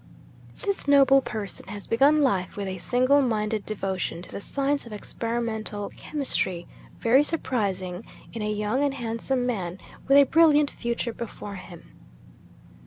'This noble person has begun life with a single minded devotion to the science of experimental chemistry, very surprising in a young and handsome man with a brilliant future before him.